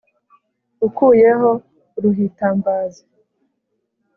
Ukuyeho Uruhitambazi,